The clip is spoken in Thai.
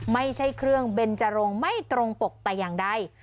ไม่ใช่เครื่องเบนจรงไม่ตรงปกแต่อย่างใด